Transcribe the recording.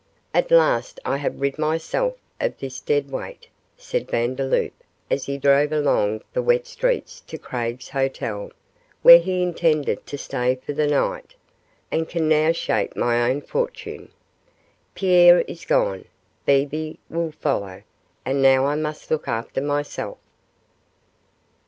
'At last I have rid myself of this dead weight,' said Vandeloup, as he drove along the wet streets to Craig's Hotel, where he intended to stay for the night, 'and can now shape my own fortune. Pierre is gone, Bebe will follow, and now I must look after myself.